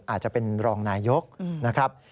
อาจจะเป็นรองนายยกนะครับ